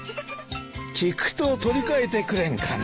菊と取り換えてくれんかな？